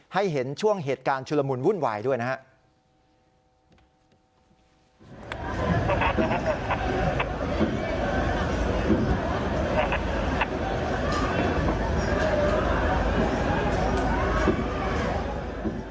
ให้เห็นช่วงเหตุการณ์ชุลมุนวุ่นวายด้วยนะครับ